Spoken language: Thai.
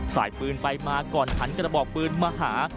สายปืนไปมาก่อนหันกระบอกปืนมาหา